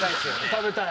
食べたい。